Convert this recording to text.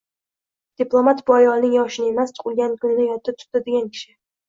Diplomat – bu ayolning yoshini emas, tug’ilgan kunini yodda tutadigan kishi.